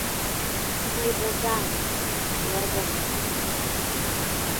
Мый возам, эргым...